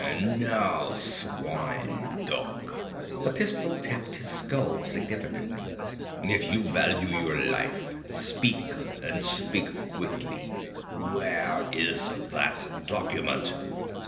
"And now, swine dog!" the pistol tapped his skull significantly "if you value your life, speak, and speak quickly. Where is that document?"